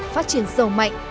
phát triển sầu mạnh